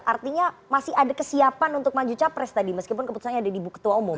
artinya masih ada kesiapan untuk maju capres tadi meskipun keputusannya ada di buku ketua umum